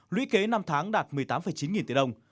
lũy kế năm tháng đạt một mươi tám chín nghìn tỷ đồng